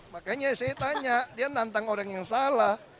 makanya saya tanya dia nantang orang yang salah